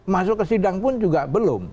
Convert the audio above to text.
masuk ke sidang pun juga belum